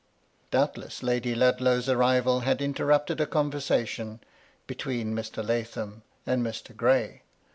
Doubtless Lady Ludlow's arrival had interrupted a conversation between Mr. Lathom and Mr. Gray.